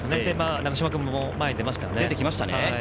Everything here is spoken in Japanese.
長嶋君も前に出ましたよね。